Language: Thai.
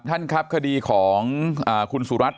ท่านครับคดีของคุณสุรัตน